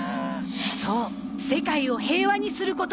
そう世界を平和にすることも。